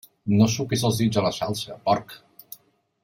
No suquis els dits a la salsa, porc!